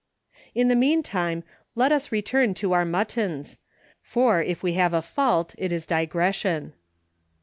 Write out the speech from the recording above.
113 In the meantime let us return to our mut tons ; for, if we have a fault, it is digression.